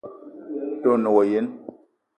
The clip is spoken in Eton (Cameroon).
De o ne wa yene?